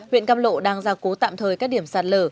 huyện cam lộ đang gia cố tạm thời các điểm sạt lở